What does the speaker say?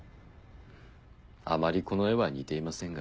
あまりこの絵は似ていませんが。